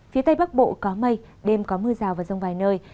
phía tây bắc bộ có mây đêm có mưa rào và rông vài nơi